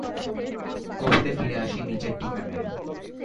কবিতা ফিরে আসে নিজের ঠিকানায়।